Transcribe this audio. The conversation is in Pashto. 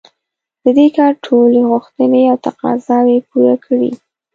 د دې کار ټولې غوښتنې او تقاضاوې پوره کړي.